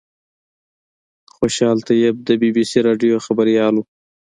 خوشحال طیب د بي بي سي راډیو خبریال و.